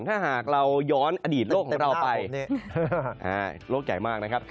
ถ้าหากเราย้อนอดีตโลกของเราไปโลกใหญ่มากนะครับ